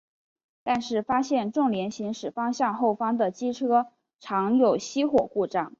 但是发现重联行驶方向后方的机车常有熄火故障。